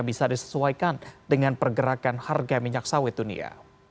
bisa disesuaikan dengan pergerakan harga minyak sawit dunia